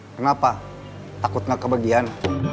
kenapa takut gak kebagian